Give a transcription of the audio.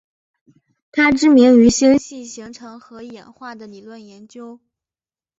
她知名于星系形成和演化的理论研究。